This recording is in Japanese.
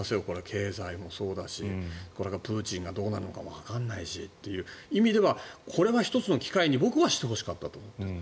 経済もそうだしプーチンがどうなのかわからないしっていう意味ではこれは１つの機会にしてほしかったと僕は思います。